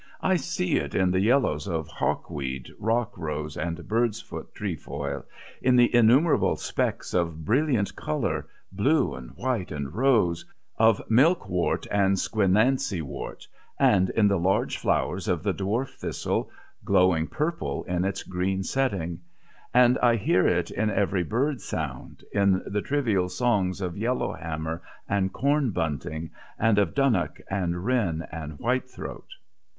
I see it in the yellows of hawkweed, rock rose, and birds' foot trefoil, in the innumerable specks of brilliant colour blue and white and rose of milk wort and squinancy wort, and in the large flowers of the dwarf thistle, glowing purple in its green setting; and I hear it in every bird sound, in the trivial songs of yellow hammer and corn bunting, and of dunnock and wren and whitethroat.